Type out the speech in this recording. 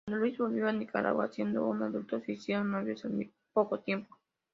Cuando Luís volvió a Nicaragua siendo un adulto se hicieron novios al poco tiempo.